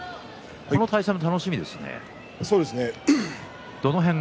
この対戦も楽しみですね。